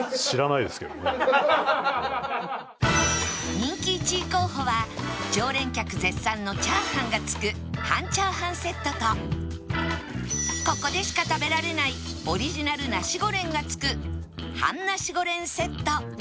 人気１位候補は常連客絶賛のチャーハンが付く半チャーハンセットとここでしか食べられないオリジナルナシゴレンが付く半ナシゴレンセット